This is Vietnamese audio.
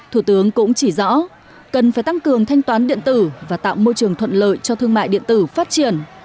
thủ tướng cũng chỉ rõ cần phải tăng cường thanh toán điện tử và tạo môi trường thuận lợi cho thương mại điện tử phát triển